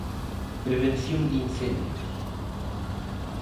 Prevención de incendios.